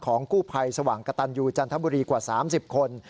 กู้ภัยสว่างกระตันยูจันทบุรีกว่า๓๐คน